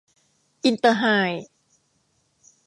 อินเตอร์ไฮด์